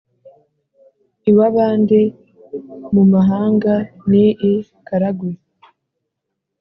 Iw’abandi: mu mahanga. Ni i Karagwe.